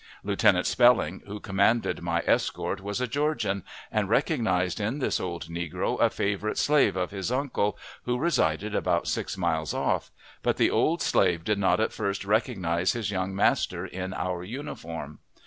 Lieutenant Spelling, who commanded my escort, was a Georgian, and recognized in this old negro a favorite slave of his uncle, who resided about six miles off; but the old slave did not at first recognize his young master in our uniform.